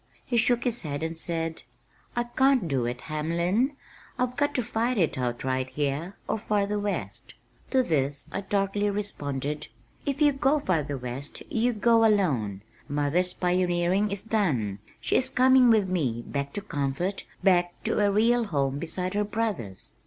He shook his head and said, "I can't do it, Hamlin. I've got to fight it out right here or farther west." To this I darkly responded, "If you go farther west you go alone. Mother's pioneering is done. She is coming with me, back to comfort, back to a real home beside her brothers."